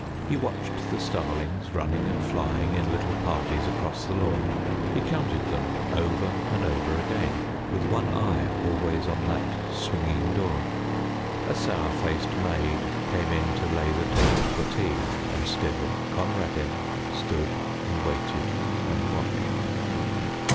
He watched the starlings running and flying in little parties across the lawn; he counted them over and over again, with one eye always on that swinging door. A sour faced maid came in to lay the table for tea, and still Conradin stood and waited and watched.